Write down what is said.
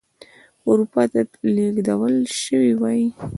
اروپا ته لېږدول شوي وای.